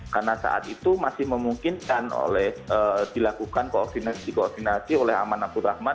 karena saat itu masih memungkinkan dilakukan koordinasi koordinasi oleh aman abdurrahman